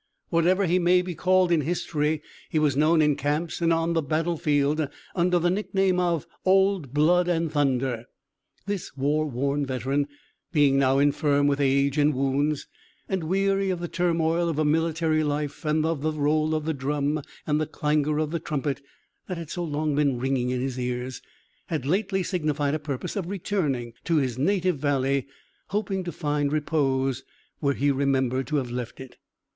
Whatever he may be called in history, he was known in camps and on the battle field under the nickname of Old Blood and Thunder. This war worn veteran, being now infirm with age and wounds, and weary of the turmoil of a military life, and of the roll of the drum and the clangour of the trumpet, that had so long been ringing in his ears, had lately signified a purpose of returning to his native valley hoping to find repose where he remembered to have left it.